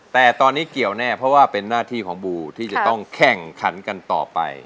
แต่ตอนนี้เกี่ยวแน่เพราะว่าเป็นหน้าที่ของบูที่จะต้องแข่งขันกันต่อไป